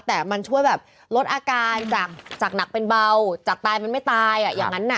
แต่มันช่วยแบบลดอาการจากหนักเป็นเบาจากตายมันไม่ตายอ่ะอย่างนั้น